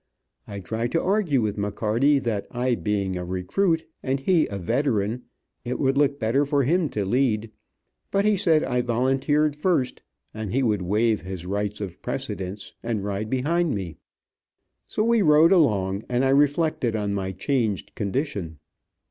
I tried to argue with McCarty that I being a recruit, and he a veteran, it would look better for him to lead, but he said I volunteered first, and he would waive his rights of precedence, and ride behind me. So we rode along, and I reflected on my changed condition.